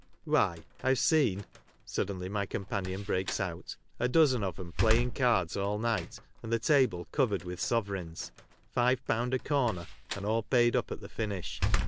"Why, I've seen,'' suddenly my companion breaks out, "a dozen of 'em playing cards all night, and the table covered with sovereigns. £5 a corner, and all paid up at the finish.